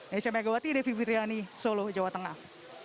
nesya megawati devi fitriani solo jawa tengah